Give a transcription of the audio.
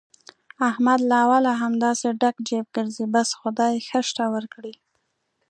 احمد له اوله همداسې ډک جېب ګرځي، بس خدای ښه شته ورکړي.